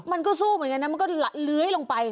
มันก็สู้เหมือนกันนะมันก็เลื้อยลงไป